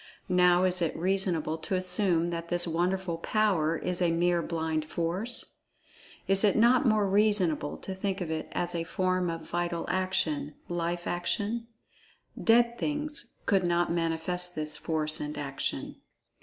Now is it reasonable to suppose that this wonderful "power" is a mere blind force? Is it not more reasonable to think of it as a form of vital action—life action? "Dead" things could not manifest this force and action.